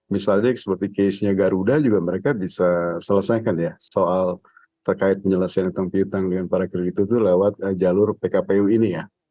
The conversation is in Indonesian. misalnya seperti casenya garuda juga mereka bisa selesaikan ya soal terkait penyelesaian utang piutang dengan para kreditur lewat jalur pkpu ini ya